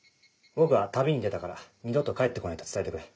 僕は旅に出たから二度と帰って来ないと伝えてくれ。